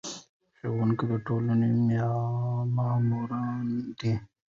ښوونکي د ټولنې معماران دي.